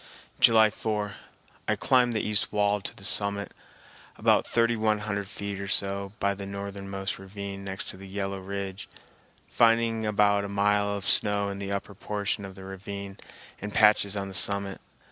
July 4. I climbed the east wall to the summit, about thirty one hundred feet or so, by the northernmost ravine next to the yellow ridge, finding about a mile of snow in the upper portion of the ravine and patches on the summit.